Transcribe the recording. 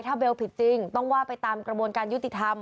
ถ้าเบลผิดจริงต้องว่าไปตามกระบวนการยุติธรรม